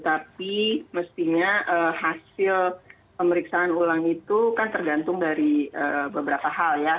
tapi mestinya hasil pemeriksaan ulang itu kan tergantung dari beberapa hal ya